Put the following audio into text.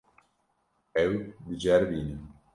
Ew diceribînin.